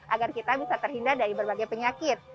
agar kita bisa terhindar dari berbagai penyakit